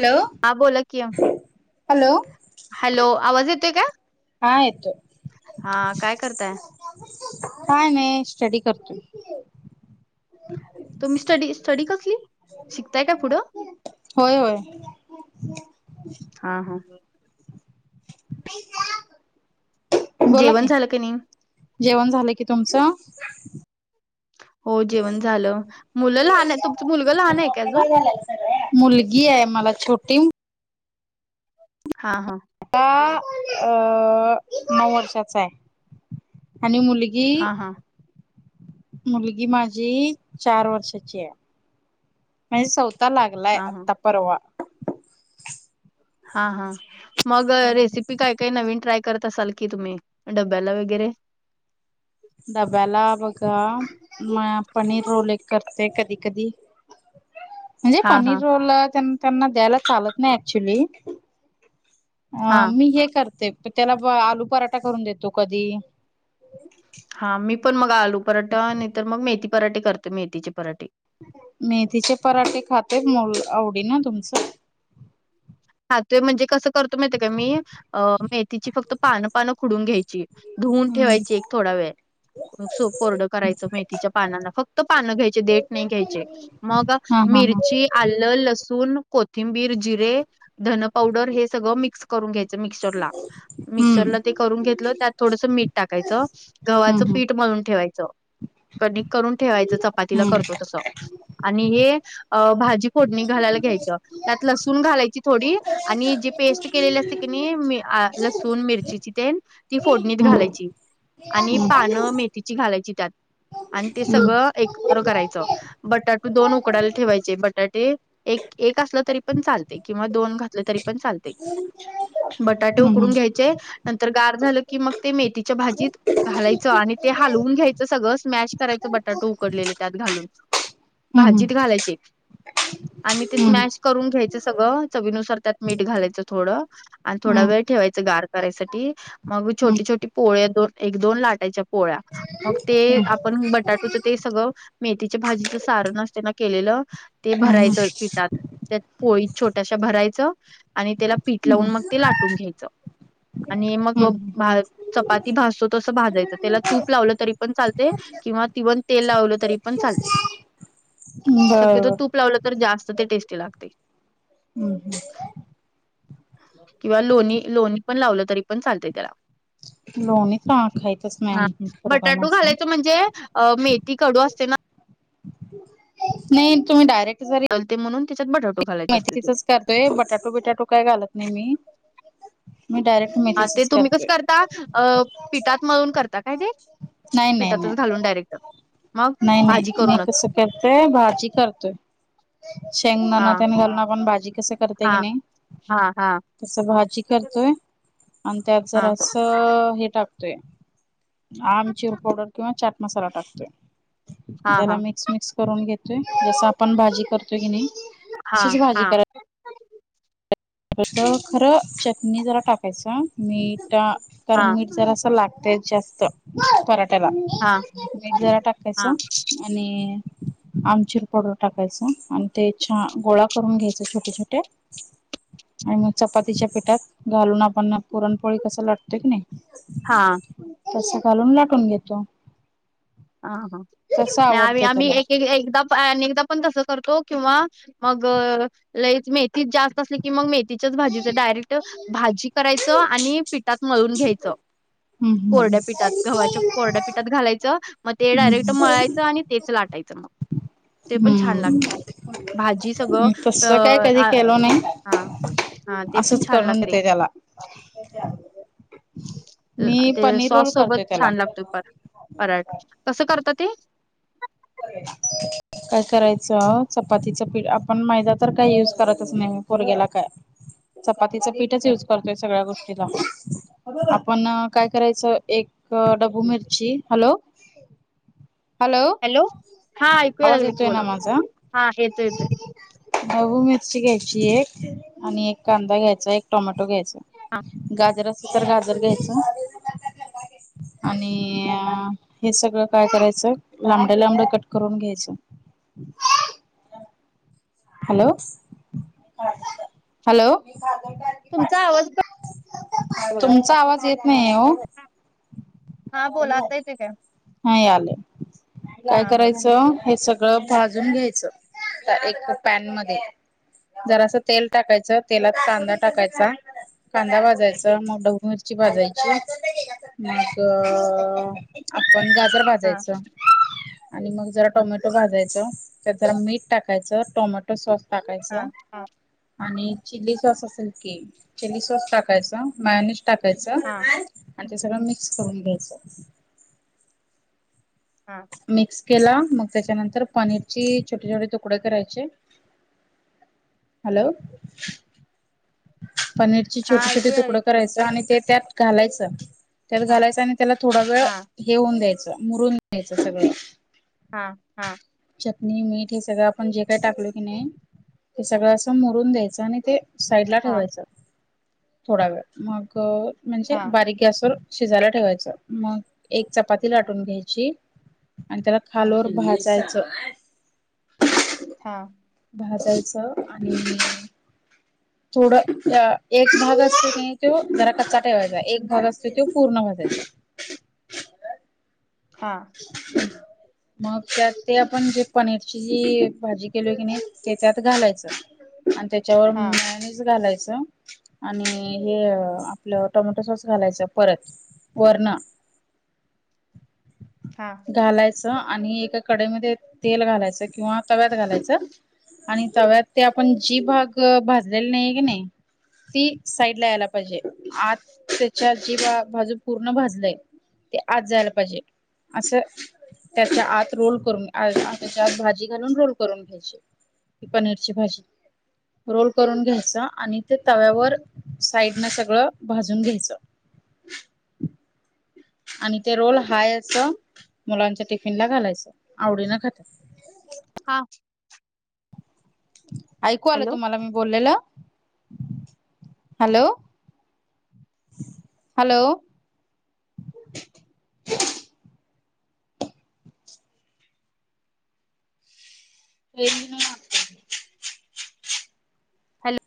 Hello हा बोला कि हॅलो हॅलो आवाज येतोय का... हा येतोय हा काय करताय.. काय नाही स्टडी करतोय. तुम्ही स्टडी स्टडी कसली शिकताय काय पुढं.... होय होय हा हा.. [unintelligible] जेवण झालं की नाही जेवण झालं की तुमचं हो जेवण झालं मुलं लहान आहे तुमचा मुलगा लहान आहे काय अजून.. मुलगी आहे मला छोटी हा हा आता अ नऊ वर्षाचा आहे आणि मुली जी हा हा मुलगी माझी चार वर्षाची आहे म्हणजेौथ आता लागलंय हा हा आता परवा हा हा मग रेसिपी काय काय नवीन ट्राय करत असाल की तुम्ही डब्याला वगैरे डब्याला बघा म पनीर रोल एक करते कधी कधी म्हणजे हा हा पनीर रोल त्यांना द्यायला चालत नाही ऍक्च्युली अ हा मी हे करते त्याला आलू पराठा करून देतो कधी.. हा मी पण मग आलू पराठा आणि तर मग मेथी पराठे करते मेथीचे पराठे. मेथीचे पराठे खाते मुल आवडीन तुमचं.. खातो म्हणजे कसं करतो मी अ मेथीची फक्त पानं पानं खुडून घ्यायची. धुवून हम्म ठेवायची एक थोडा वेळ कोरडं करायचं मेथीच्या पानांना फक्त पानं घ्यायचे देट नाही घ्यायचे मग हा हा हा मिरची आलं, लसूण, कोथिंबीर, जिरे, धन पावडर हे सगळं मिक्स. करून घ्यायचं मिक्सचर ला मिक्सरला हम्म ते करून घेतलं त्यात थोडस मीठ टाकायचं गव्हाचं हम्म पीठ मळून ठेवायचं कणिक करून ठेवायचं चपातीला हम्म करतो तसं आणि हे अ भाजी फोडणी घालायला घ्यायचं त्यात लसूण घालायची थोडी आणि जी पेस्ट केलेली असते कि नाही लसूण मिरचीची तेन ती फोडणीत हम्म घालायची आणि पानं मेथीची घालायची त्यात आणि ते हम्म सगळं एकत्र करायचं. बटाटू दोन उकडायला ठेवायचे बटाटे एक एक असलं तरी पण चालतंय किंवा दोन घातले तरी पण चालते. बटाटे हम्म उकडून घ्यायचे नंतर गार झालं की मग ते मेथीच्या भाजीत घालायचं आणि ते हलवून घ्यायचं सगळंच मॅश करायचं बटाटो उकडलेले त्यात घालून हम्म हम्म हम्म हम्म भाजीत घालायची आणि ते हम्म स्मॅश करून घ्यायचं करून घ्यायच सगळं चवीनुसार त्यात मीठ घालायचं थोडं आणि थोडा वेळ ठेवायच गार करायसाठी मग छोटी छोटी पोळे दोन एक दोन लाटायच्या पोळ्या मग ते आपण बटाटूच ते सगळं मेथीच्या भाजीच सारण असते ना केलेलं ते हम्म हम्म भरायचं पिटात त्यात पोळी छोट्याशा भरायचं आणि त्याला पीठ लावून हम्म मग ते लाटून घ्यायचं. आणि मग हम्म चपाती भाजतो तसं भाजायचं त्याला तूप लावलं तरी पण चालते. किंवा तिवण तेल लावलं तरी पण चालते. शक्यतो बरोबर तूप लावलं तर जास्त ते टेस्टी लागते. हम् हम् किंवा लोणी लोणी पण लावलं तरी पण चालतेय त्याला लोणी का खायचच नाही हा आम पोरगा बटाटू माझा घालायचं म्हणजे अ मेथी कडू असते ना [inaudible] नाही तुम्ही डायरेक्ट जरी चलते म्हणून त्याच्यात बटाटू घालायचा असतो त्यो. ते बटाटू बिटाटू काय घालत नाही मी मी डायरेक्ट हा ते मेथीचच तुम्ही करतोय कसं करता अ पिठात मळून करता काय ते? नाही नाही पिठातच नाही घालून डायरेक्ट मग नाही भाजी नाही मी करूनच कसं करते भाजी करतोय हा शेंगणाना त्या [unintelligible] पण भाजी कसं करतेय की हा नाही हा हा तस भाजी करतोय आणि त्यात हा जरास हे टाकतोय. आमचुर पावडर किंवा चाट मसाला टाकतोय. आणि हा त्याला हा. मिक्स मिक्स करून घेतोय जस आपण भाजी करतोय की नाही. हा तशीच भाजी हा करायची खरं चटणी जरा टाकायच मीठ हा कारण मी जरा असं लागते जास्त पराठ्याला हा मीठ जरा टाकायच - हा आणि आमचीर पावडर टाकायच आणि ते छान गोळा करून घ्यायच छोटे छोटे आणि मग चपातीच्या पिठात घालून आपण पुरणपोळी कस लटतोय की नाही हा तस घालून लाटून घेतो हा हा तसं नाही आम्ही आवडतंय आम्ही त्याला एक एकदा अ एकदा पण तसं करतो किंवा मग लईच मेथीच जास्त असली की मग मी तिच्याच भाजी डायरेक्ट भाजी करायच आणि पिठात मळून घ्यायचं हम्म कोरड्यापीठात गव्हाच्या कोरड्यापीठात घालायचं मग ते डायरेक्ट हम्म मळायचं आणि तेच लाटायचं ते पण छान लागते भाजी सगळं हम्म तस अ काय कधी आ केलो नाही हा हा ते पण असंच छान करून लागते देते त्याला मी ते पनीर रोल सॉस सोबत करतोय त्याला छान लागतो पर पराठ कसं करतात ते काय करायचं चप चपातचं पीठ आपण मैदा तर काई युज करतच नाही मग पोरगीला काय चपातीचं पीठच युज करतोय सगळ्या गोष्टीला आपण काय करायचं एक अ डबू मिरची हॅलो हॅलो हा ऐकूया आवाज लागले की येतोय ना बोला माझा हा येतो येतोय. ढबु मिरची घ्यायची एक आणि एक कांदा घ्यायचा एक टोमॅटो घ्यायचा गाजर असल तर गाजर घ्यायचं आणिअ हे सगळं काय करायचं लांबडं लांबडं कट करून घ्यायचं हॅलो आच्छा हॅलो तुमचा आवाज कट बघा तुमचा आवाज येत नाही हो हा बोला आता येते काय नाही आल काय हा बोला करायचं हे सग सगळं भाजून घ्यायचं त एक पॅन मध्ये जरास तेल टाकायचं तेलात कांदा टाकायचा कांदा भाजायचा मग डगू मिरची भाजायची मग अ आपण गाजर हा भाजायचं आणि मग जरा टोमॅटो भाजायच त्यात जरा मीठ टाकायचं टोमॅ स्वास् टाकायच हा हा आणि चिली सॉस असेल की चिली सॉस टाकायचा मयनिस टाकायच हा आणि ते सगळं मिक्स करून घ्यायचं हा मिक्स केला मग त्याच्यानंतर पनीरचे छोटे छोटे तुकडे करायचे हॅलो पनीरची हा छोटी छोटी ऐकू यायला तुकडं लागले की बोला करायच आणि ते त्यात घालायचं त्यात हा घालायचं आणि त्याला थोडा वेळ हा हेऊन द्यायचं मुरून घ्यायचं सगळे हा हा चटणी मीठ हे सगळं आपण जे काय टाकलो की नाही ते सगळं असं मोरून द्यायचं आणि ते साईड ठेवायच थोडा वेळ मग म्हणजे हा बारीक गॅसवर शिजायला ठेवायच मग एक चपाती लाटून घ्यायची आणि त्याला हम्म खालोवर भाचायचं हा भजाच आणि थोड अ एक भाग असतो की नई तो जरा कच्चा ठेवायचा एक भाग असतो तो पूर्ण भाजायचा हा मग त्यात ते आपण जे पनीरची जी भाजी केली की नाही ते त्यात घालायचं आणि त्याच्यावर हा मेवनिज घालायचं आणि हे आपलं टोमॅटो सॉस घालायचं परत वरण हा घालायचं आणि एका कडेमध्ये तेल घालायचं किंवा तव्यात घालायचं आणि तव्यात ते आपण जी भाग भाजलेली नाही की नाही ती साईड ला यायला पाहिजे आत त्याच्या जी बा बाजू पूर्ण भाजलंय ते आज जायला पाहिजे असं त्याच्या आत रोल करून आ त्याच्या आत भाजी घालून रोल करून घ्यायची ह पनीरची भाजी रोल करून घ्यायच आणि ते तव्यावर साईड न सगळं भाजून घ्यायचं आणि ते रोल हाय असं मुलांच्या टिफिन ला घालायचं आवडीनं खाता हा ऐकू आलं हॅलो तुम्हाला मी बोललेलं हॅलो हॅलो ते ना हॅलो